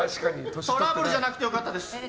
トラブルじゃなくてよかったです。